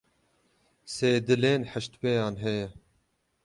Sê dilên heştpêyan heye.